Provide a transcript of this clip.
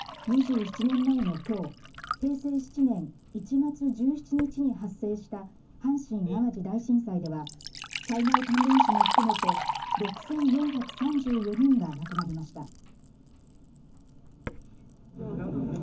２７年前のきょう平成７年１月１７日に発生した阪神・淡路大震災では災害関連死も含めて６４３４人が亡くなりました。